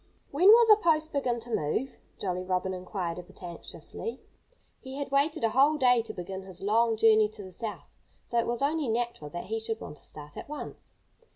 "When will the post begin to move?" Jolly Robin inquired, a bit anxiously. He had waited a whole day to begin his long journey to the South, so it was only natural that he should want to start at once.